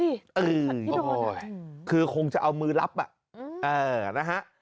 คือศัตริย์ที่โดนอะอืมโอ้โหคือคงจะเอามือรับอะเอ่อนะฮะ